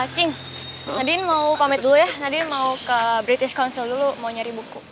nadine mau pamit dulu ya nadine mau ke british council dulu mau nyari buku